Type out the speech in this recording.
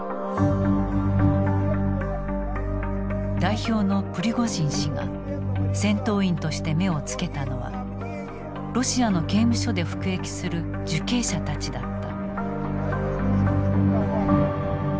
代表のプリゴジン氏が戦闘員として目をつけたのはロシアの刑務所で服役する受刑者たちだった。